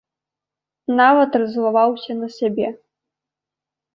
Нават раззлаваўся на сябе.